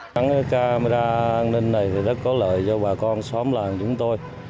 các camera an ninh này rất có lợi cho bà con xóm làng chúng tôi